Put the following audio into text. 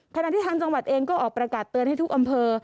ขณะที่ทางจังหวัดเองก็ออกประกาศเตือนให้ทุกอำเภอ